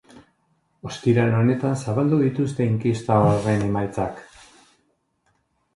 Ostiral honetan zabaldu dituzte inkesta horren emaitzak.